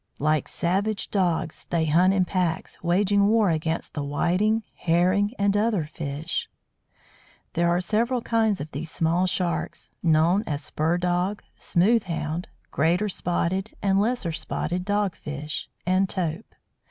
Like savage dogs, they hunt in packs, waging war against the Whiting, Herring and other fish. [Illustration: THE SHARK] There are several kinds of these small Sharks, known as Spur dog, Smooth Hound, Greater spotted and Lesser spotted Dog fish, and Tope.